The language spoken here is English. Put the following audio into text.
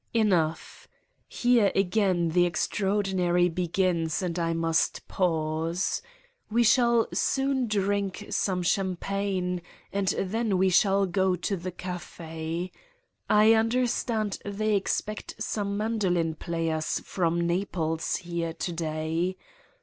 ... Enough ! Here again the extraordinary begins and I must pause. We shall soon drink some champagne and then we shall go to the cafe. I understand they expect some mandolin players from Naples there to day.